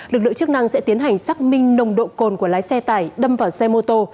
lực lượng chức năng sẽ tiến hành xác minh nồng độ cồn của lái xe tải đâm vào xe mô tô